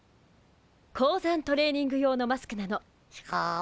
高山トレーニング用のマスクなのシュコー。